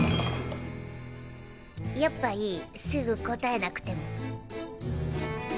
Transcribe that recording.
やっぱいいすぐ答えなくても。